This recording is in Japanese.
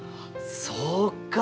そうか。